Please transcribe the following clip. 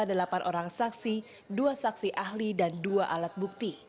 delapan orang saksi dua saksi ahli dan dua alat bukti